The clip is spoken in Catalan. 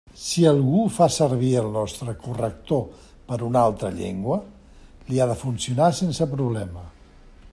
Si algú fa servir el nostre corrector per a una altra llengua, li ha de funcionar sense problema.